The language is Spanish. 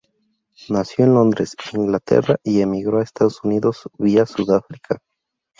Nació en Londres, Inglaterra, y emigró a Estados Unidos vía Sudáfrica.